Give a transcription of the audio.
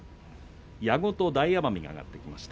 矢後と大奄美が上がってきました。